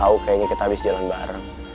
tau tau kayaknya kita habis jalan bareng